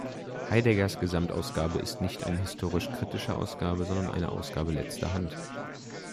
Heideggers Gesamtausgabe ist nicht eine historisch-kritische Ausgabe, sondern eine Ausgabe letzter Hand.